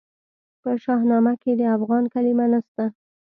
په شاهنامه کې د افغان کلمه نسته.